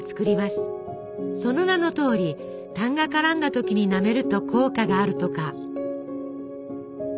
その名のとおりたんが絡んだ時になめると効果があるとか。